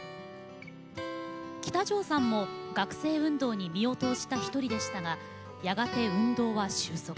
喜多條さんも学生運動に身を投じた一人でしたがやがて運動は収束。